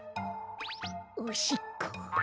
おしっこ。